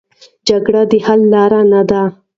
جګړه د حل لاره نه ده.